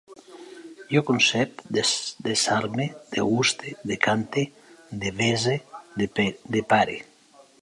Jo concep, desarme, deguste, decante, desavese, depare